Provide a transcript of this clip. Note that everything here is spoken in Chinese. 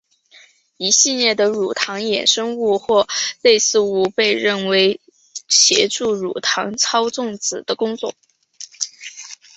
一系列的乳糖衍生物或类似物被认为协助乳糖操纵子的工作。